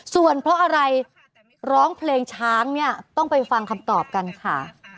ส่วนเพราะอะไรร้องเพลงช้างเนี่ยต้องไปฟังคำตอบกันค่ะ